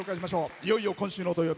いよいよ今週の土曜日